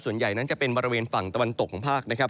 ส่วนใหญ่นั้นจะเป็นบริเวณฝั่งตะวันตกของภาคนะครับ